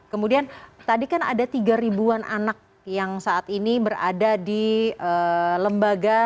kemudian tadi kan ada tiga an anak yang saat ini ada di lempaga